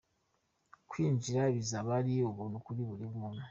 Kwinjira bizaba ari ubuntu kuri buri muntu.